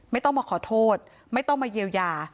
ไม่ต้องมาขอโทษไม่ต้องมาเยียวยา